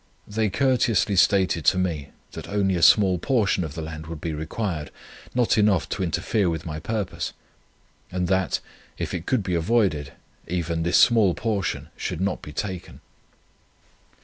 They courteously stated to me, that only a small portion of the land would be required, not enough to interfere with my purpose; and that, if it could be avoided, even this small portion should not be taken.